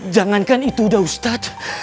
jangankan itu udah ustadz